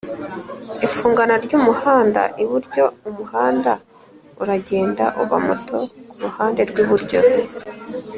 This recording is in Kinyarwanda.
ifungana ry'umuhanda iburyo Umuhanda uragenda uba muto ku ruhande rw'iburyo